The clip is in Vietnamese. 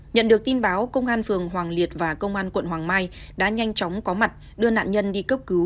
nhận được tin báo công an phường hoàng liệt và công an quận hoàng mai đã nhanh chóng có mặt đưa nạn nhân đi cấp cứu